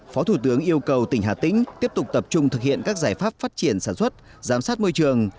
phó thủ tướng yêu cầu tỉnh hà tĩnh tiếp tục tập trung thực hiện các giải pháp phát triển sản xuất giám sát môi trường